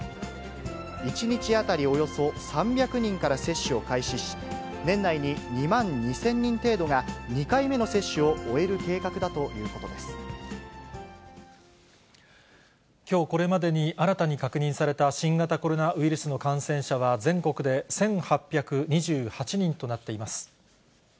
１日当たりおよそ３００人から接種を開始し、年内に２万２０００人程度が、２回目の接種を終える計画だといきょう、これまでに新たに確認された新型コロナウイルスの感染者は、全国で１８２８人となっています。